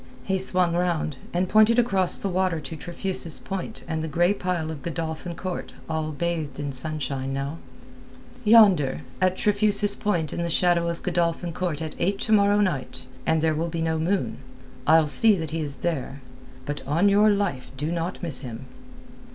He swung round, and pointed across the water to Trefusis Point and the grey pile of Godolphin Court all bathed in sunshine now. "Yonder, at Trefusis Point in the shadow of Godolphin Court at eight to morrow night, when there will be no moon. I'll see that he is there. But on your life do not miss him."